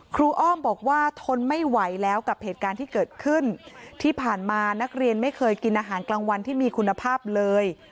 อ้อมบอกว่าทนไม่ไหวแล้วกับเหตุการณ์ที่เกิดขึ้นที่ผ่านมานักเรียนไม่เคยกินอาหารกลางวันที่มีคุณภาพเลย